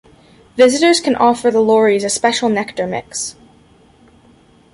Visitors can offer the lories a special nectar mix.